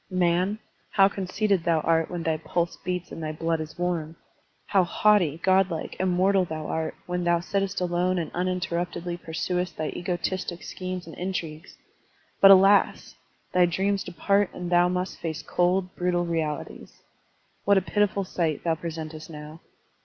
Man, how conceited thou art when thy pulse beats and thy blood is warm! How haughty, god like, immortal thou art when thou sittest alone and uninterruptedly pursuest thy egotistic schemes and intrigues! But, alas! thy dreams depart and thou must face cold, brutal realities. What a pitiful sight thou presentest now!